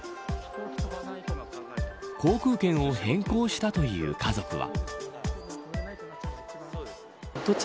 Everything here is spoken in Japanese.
航空券を変更したという家族は。